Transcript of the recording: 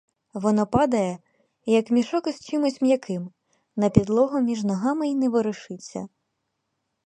Воно падає, як мішок із чимсь м'яким, на підлогу між ногами й не ворушиться.